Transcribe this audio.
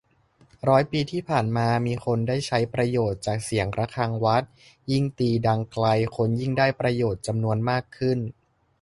ร้อยปีที่ผ่านมา มีคนได้ใช้ประโยชน์จากเสียงระฆังวัด ยิ่งตีดังไกล คนยิ่งได้ประโยชน์จำนวนมากขึ้น